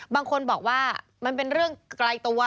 บางคนบอกว่ามันเป็นเรื่องไกลตัว